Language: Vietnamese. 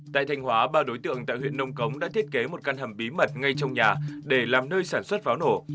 tại thanh hóa ba đối tượng tại huyện nông cống đã thiết kế một căn hầm bí mật ngay trong nhà để làm nơi sản xuất pháo nổ